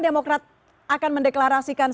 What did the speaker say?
demokrat akan mendeklarasikan